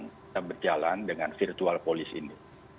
kita berjalan dengan virtual police ini